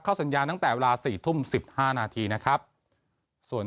เข้าสัญญาณตั้งแต่เวลาสี่ทุ่มสิบห้านาทีนะครับส่วน